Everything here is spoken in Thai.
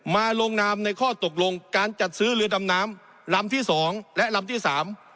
ลงนามในข้อตกลงการจัดซื้อเรือดำน้ำลำที่สองและลำที่สาม